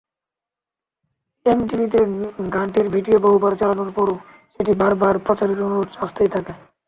এমটিভিতে গানটির ভিডিও বহুবার চালানোর পরও সেটি বারবার প্রচারের অনুরোধ আসতেই থাকে।